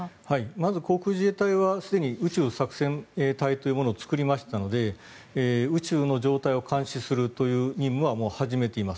まず航空自衛隊はすでに宇宙作戦隊というものを作りましたので宇宙の状態を監視するという任務はもう始めています。